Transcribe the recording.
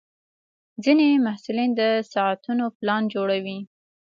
ځینې محصلین د ساعتونو پلان جوړوي.